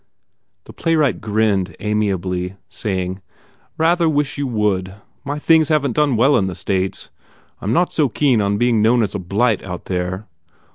The playwright grinned amiably, saying, "Rather wish you would. My things haven t done well in the States. I m not so keen on be ing known as a blight, out there.